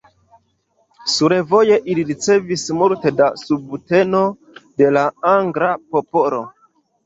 Sur voje ili ricevis multe da subteno de la angla popolo.